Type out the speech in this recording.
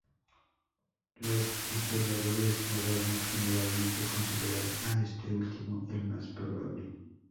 Los historiadores modernos generalmente consideran a este último el más probable.